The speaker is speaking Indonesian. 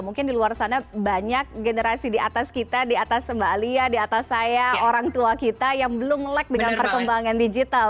mungkin di luar sana banyak generasi di atas kita di atas mbak alia di atas saya orang tua kita yang belum leg dengan perkembangan digital